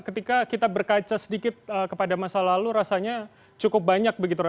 ketika kita berkaca sedikit kepada masa lalu rasanya cukup banyak begitu